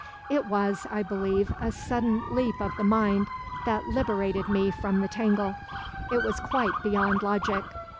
"It was, I believe, a sudden leap of the mind that liberated me from the tangle. It was quite beyond logic.